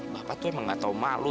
bapak tuh emang gak tau malu